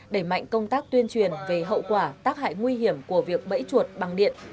đẩy mạnh công tác tuyên truyền về hậu quả tác hại nguy hiểm của việc bẫy chuột bằng điện